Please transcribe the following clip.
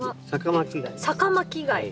サカマキガイ。